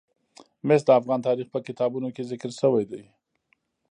مس د افغان تاریخ په کتابونو کې ذکر شوی دي.